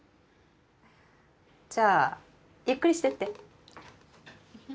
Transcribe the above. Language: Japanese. じゃあゆっくりしてって。